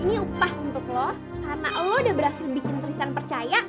ini upah untuk lo karena lo udah berhasil bikin tristan percaya